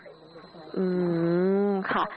อืมค่ะ